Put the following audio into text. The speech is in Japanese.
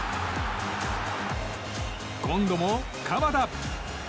今度も鎌田。